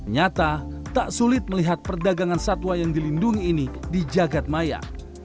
nyata tak sulit melihat perdagangan satwa yang dilindungi ini di jagadmaya